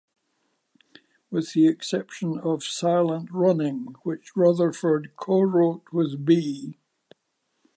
With the exception of "Silent Running", which Rutherford co-wrote with B.